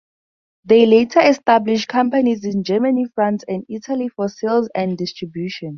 They later established companies in Germany, France and Italy for sales and distribution.